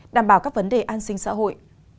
đảm bảo các vấn đề an sinh xã hội